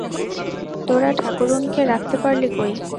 তোরা ঠাকরুনকে রাখতে পারলি কই!